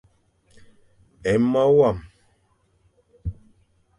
É mo wam.